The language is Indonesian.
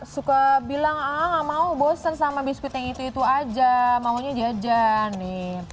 suka bilang ah nggak mau bosan sama biskuit yang itu itu aja maunya aja aja nih ayo ibu ibu harus pintar memodifikasi